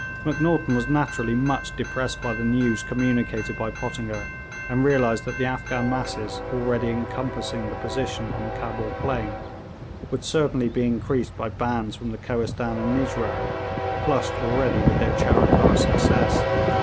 Macnaghten was naturally much depressed by the news communicated by Pottinger, and realised that the Afghan masses already encompassing the position on the Cabul plain would certainly be increased by bands from the Kohistan and Nijrao, flushed already with their Charikar success.